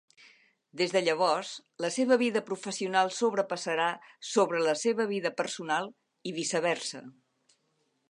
Des de llavors, la seva vida professional sobrepassarà sobre la seva vida personal, i viceversa.